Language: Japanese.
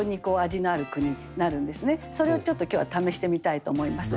それをちょっと今日は試してみたいと思います。